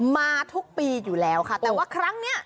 มาทุกปีอยู่แล้วค่ะแต่ว่าครั้งนี้